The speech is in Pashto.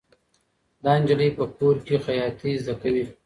دا نجلۍ په کور کې خیاطي زده کوي.